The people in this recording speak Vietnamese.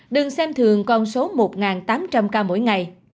đừng xem thường con số một tám trăm linh ca mỗi ngày